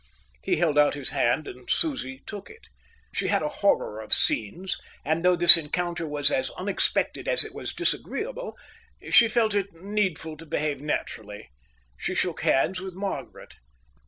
He held out his hand, and Susie took it. She had a horror of scenes, and, though this encounter was as unexpected as it was disagreeable, she felt it needful to behave naturally. She shook hands with Margaret.